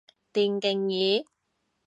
電競椅